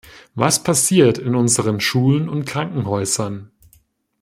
Was passiert in unseren Schulen und Krankenhäusern?